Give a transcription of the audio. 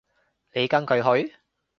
你跟佢去？